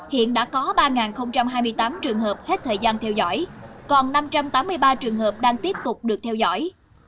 hiện đã có ba hai mươi tám trường hợp hết thời gian theo dõi còn năm trăm tám mươi ba trường hợp đang tiếp tục được theo dõi